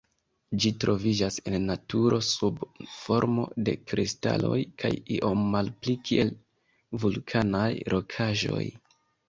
Ĝi troviĝas en naturo sub formo de kristaloj kaj iom malpli kiel vulkanaj rokaĵoj.